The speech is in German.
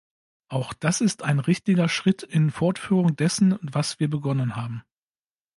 Auch das ist ein richtiger Schritt in Fortführung dessen, was wir begonnen haben.